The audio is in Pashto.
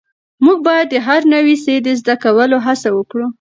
موږ باید د هر نوي سی د زده کولو هڅه وکړو.